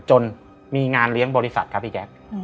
จนมีงานเลี้ยงบริษัทครับพี่แจ๊ค